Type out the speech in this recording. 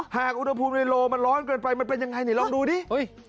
หากอุณหภูมิในโลมันร้อนเกินไปมันเป็นยังไงนี่ลองดูดิ